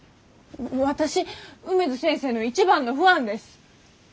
私梅津先生の一番のファンです。